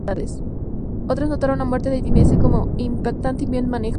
Otros notaron la muerte de Tyreese como impactante y bien manejada.